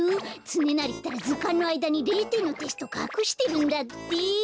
つねなりったらずかんのあいだに０てんのテストかくしてるんだって。